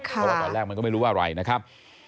เพราะว่าตอนแรกมันก็ไม่รู้ว่าอะไรนะครับ